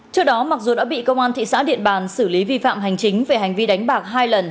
trước đó mặc dù đã bị công an thị xã điện bàn xử lý vi phạm hành chính về hành vi đánh bạc hai lần